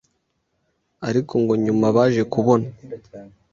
ariko ngo nyuma baje kubona